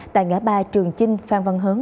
tại ngã ba trường chinh phan văn hớn